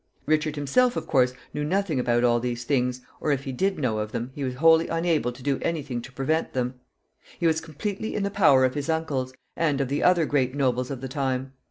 Richard himself, of course, knew nothing about all these things, or, if he did know of them, he was wholly unable to do any thing to prevent them. He was completely in the power of his uncles, and of the other great nobles of the time.